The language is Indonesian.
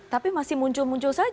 tapi itu masih muncul saja ya bang